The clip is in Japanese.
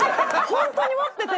本当に持ってて。